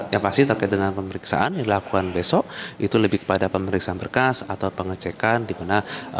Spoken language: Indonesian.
yang pasti terkait dengan pemeriksaan yang dilakukan besok itu lebih kepada pemeriksaan berkas atau pengecekan di mana